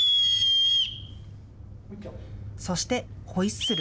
そして、ホイッスル。